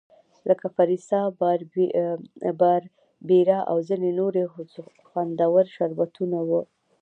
لکه فریسا، باربیرا او ځیني نور خوندور شربتونه وو.